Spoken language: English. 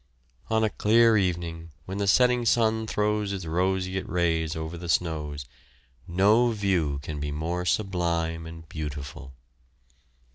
On a clear evening, when the setting sun throws its roseate rays over the snows, no view can be more sublime and beautiful.